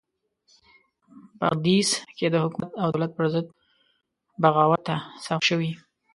بغدیس کې د حکومت او دولت پرضد بغاوت ته سوق شوي.